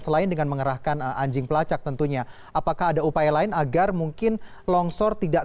selain dengan mengerahkan anjing pelacak tentunya apakah ada upaya lain agar mungkin longsor tidak